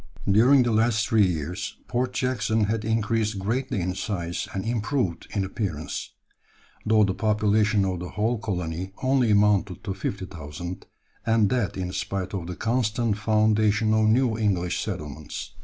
During the last three years Port Jackson had increased greatly in size and improved in appearance; though the population of the whole colony only amounted to 50,000, and that in spite of the constant foundation of new English settlements.